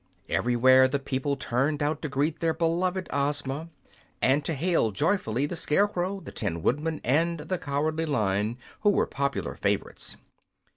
Everywhere the people turned out to greet their beloved Ozma, and to hail joyfully the Scarecrow, the Tin Woodman and the Cowardly Lion, who were popular favorites.